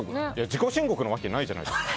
自己申告な訳ないじゃないですか。